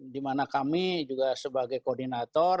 dimana kami juga sebagai koordinator